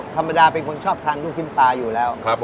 ธรรมดาเป็นคนชอบทางลูกครีมปลาอยู่แล้ว